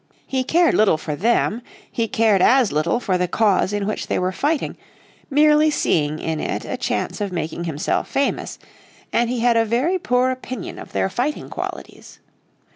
He cared little for them, he cared as little for the cause in which they were fighting, merely seeing in it a chance of making himself famous, and he had a very poor opinion of their fighting qualities.